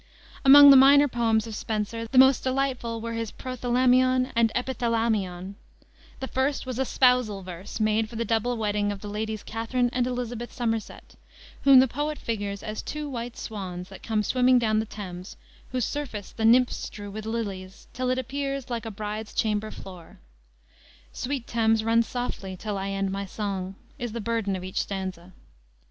Among the minor poems of Spenser the most delightful were his Prothalamion and Epithalamion. The first was a "spousal verse," made for the double wedding of the Ladies Catherine and Elizabeth Somerset, whom the poet figures as two white swans that come swimming down the Thames, whose surface the nymphs strew with lilies, till it appears "like a bride's chamber floor." "Sweet Thames, run softly till I end my song," is the burden of each stanza.